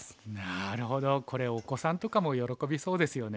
なるほどこれお子さんとかも喜びそうですよね。